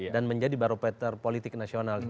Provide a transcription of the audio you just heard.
dan menjadi baropeter politik nasional